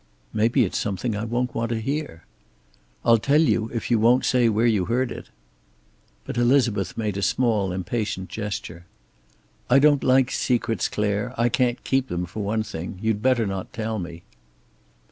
"Maybe it's something I won't want to hear." "I'll tell you, if you won't say where you heard it." But Elizabeth made a small, impatient gesture. "I don't like secrets, Clare. I can't keep them, for one thing. You'd better not tell me."